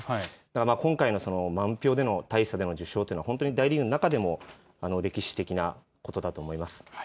今回の満票での大差での受賞というのは本当に大リーグの中でも歴史的なことだと思います。